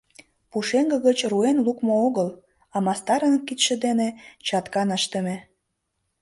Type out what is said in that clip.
Пушеҥге гыч руэн лукмо огыл, а мастарын кидше дене чаткан ыштыме.